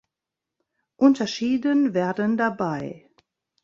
Unterschieden werden dabei